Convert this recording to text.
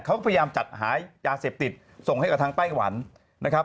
เขาก็พยายามจัดหายาเสพติดส่งให้กับทางไต้หวันนะครับ